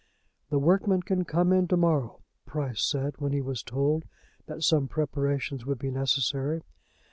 "The workmen can come in to morrow," Price said, when he was told that some preparations would be necessary.